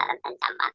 atau ada ancaman